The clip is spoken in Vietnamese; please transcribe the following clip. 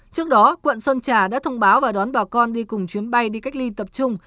trước đó quận sơn trà đã thông báo và đón bà con đi cùng chuyến bay đi cách ly tập trung